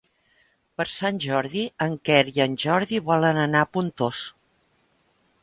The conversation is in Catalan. Per Sant Jordi en Quer i en Jordi volen anar a Pontós.